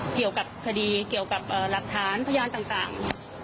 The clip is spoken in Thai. เกี่ยวกับคดีเกี่ยวกับหลักฐานพยานต่าง